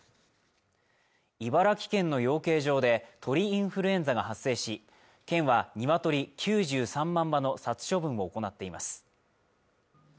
茨城県の養鶏場で鳥インフルエンザが発生し県はニワトリ９３万羽の殺処分を行っています